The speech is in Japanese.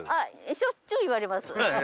しょっちゅう言われます。